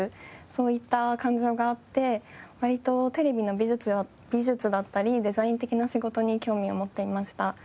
そういった感情があって割とテレビの美術だったりデザイン的な仕事に興味を持っていました。